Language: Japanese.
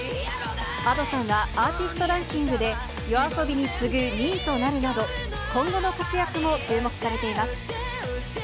Ａｄｏさんは、アーティストランキングでＹＯＡＳＯＢＩに次ぐ２位となるなど、今後の活躍も注目されています。